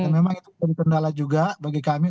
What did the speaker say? memang itu pendala juga bagi kami